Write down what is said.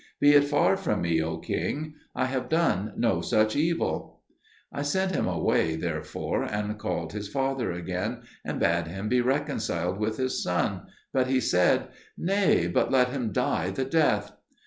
Be it far from me, O king: I have done no such evil." I sent him away, therefore, and called his father again, and bade him be reconciled with his son; but he said, "Nay, but let him die the death."